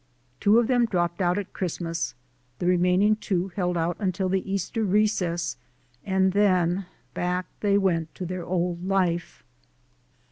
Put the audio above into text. Two of them dropped out at Christmas, the remaining two held out until the Easter recess and then back they went to their old life.